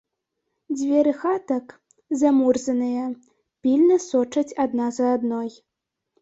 Дзверы хатак, замурзаныя, пільна сочаць адна за адной.